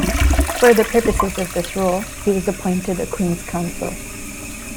For the purposes of this role, he was appointed a Queen's Counsel.